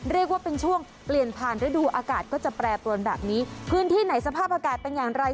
เรียกว่าเป็นช่วงเปลี่ยนผ่านฤดูอากาศก็จะแปรปรวนแบบนี้พื้นที่ไหนสภาพอากาศเป็นอย่างไร